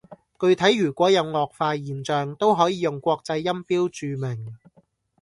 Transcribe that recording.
具體如果有顎化現象，都可以用國際音標注明